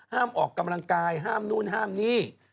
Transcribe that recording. ออกกำลังกายห้ามนู่นห้ามนี่